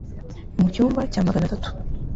mu cyumba cya Magana atatu